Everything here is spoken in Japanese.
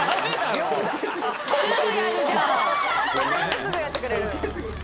すぐやってくれる。